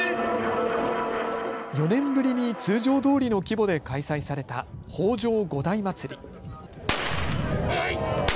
４年ぶりに通常どおりの規模で開催された北條五代祭り。